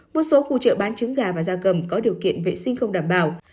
một số khu chợ bán trứng gà và da cầm có điều kiện vệ sinh không đảm bảo